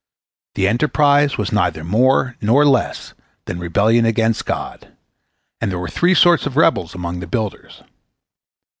The enterprise was neither more nor less than rebellion against God, and there were three sorts of rebels among the builders.